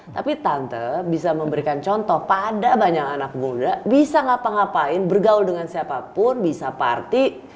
tapi tante bisa memberikan contoh pada banyak anak muda bisa ngapa ngapain bergaul dengan siapapun bisa party